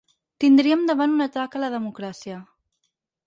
Tindríem davant un atac a la democràcia.